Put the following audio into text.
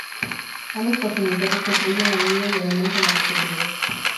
Ambos progenitores construyen el nido y alimentan a los polluelos.